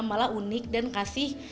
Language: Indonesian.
malah unik dan kasih